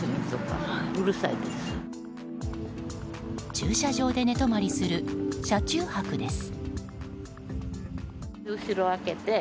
駐車場で寝泊まりする車中泊です。